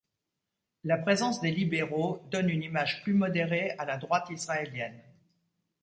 La présence des libéraux donne une image plus modérée à la droite israélienne.